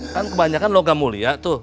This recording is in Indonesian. kan kebanyakan logam mulia tuh